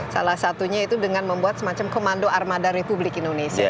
salah satunya itu dengan membuat semacam komando armada republik indonesia